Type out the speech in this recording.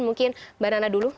mungkin mbak nana dulu